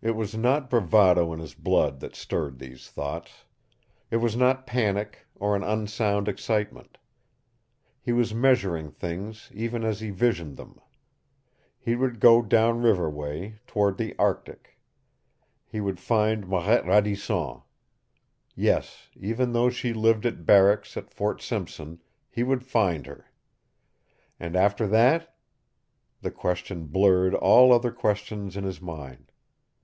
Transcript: It was not bravado in his blood that stirred these thoughts. It was not panic or an unsound excitement. He was measuring things even as he visioned them. He would go down river way, toward the Arctic. And he would find Marette Radisson! Yes, even though she lived at Barracks at Fort Simpson, he would find her! And after that? The question blurred all other questions in his mind.